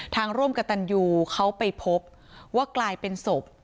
ร่วมกับตันยูเขาไปพบว่ากลายเป็นศพ